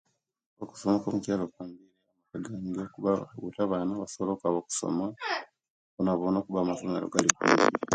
Okusoma kwo mukyalo kyange kwalongokere kuba buti abaana basobola okwaba okusoma bonabona kuba amasomere gali kumpi